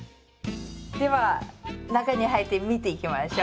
では中に入って見ていきましょう。